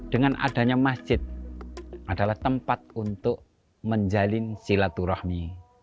dengan adanya masjid adalah tempat untuk menjalin silaturahmi